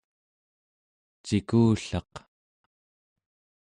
cikullaq